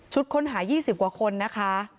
ชุดคนหายอีก๒๐กว่าคนนะคะ